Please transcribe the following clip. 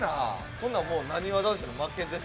ほんならもうなにわ男子の負けです。